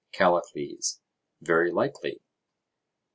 CALLICLES: Very likely.